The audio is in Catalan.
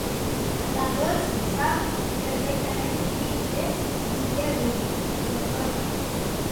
La Dols sap perfectament qui és i què vol, però calla.